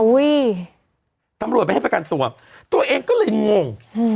อุ้ยตำรวจไปให้ประกันตัวตัวเองก็เลยงง